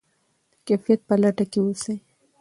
د کیفیت په لټه کې اوسئ.